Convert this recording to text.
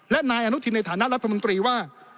และนายอนุทินในฐานะรัฐมนตรีว่า